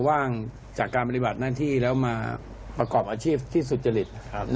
ว่างจากการปฏิบัติหน้าที่แล้วมาประกอบอาชีพที่สุจริตครับ